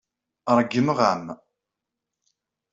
Ṛeggmeɣ-am.